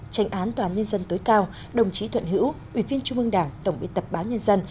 tranh án toàn nhân dân tối cao đồng chí thuận hữu ủy viên trung mương đảng tổng biên tập bán nhân dân